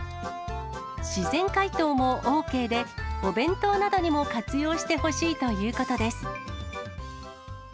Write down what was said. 自然解凍もＯＫで、お弁当などにも活用してほしいということです。